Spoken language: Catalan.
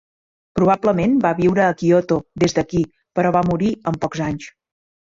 Probablement va viure a Kyoto des d'aquí, però va morir en pocs anys.